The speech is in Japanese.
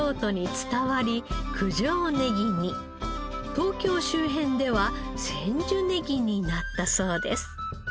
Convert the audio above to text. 東京周辺では千住ネギになったそうです。